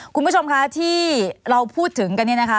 คุณผู้ชมคะที่เราพูดถึงกันเนี่ยนะคะ